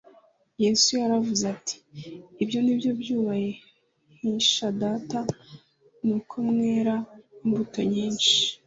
«Yesu yaravuze ati : Ibyo nibyo byubahisha Data, ni uko mwera imbuto nyinshi.»